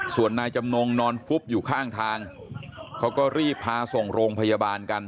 ส่วนนายจำนงนอนฟุบอยู่ข้างทางเขาก็รีบพาส่งโรงพยาบาลกัน